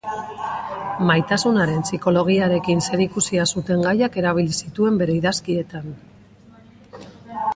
Maitasunaren psikologiarekin zerikusia zuten gaiak erabili zituen bere idazkietan.